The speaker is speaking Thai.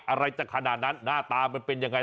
อะไรจะขนาดนั้นหน้าตามันเป็นยังไง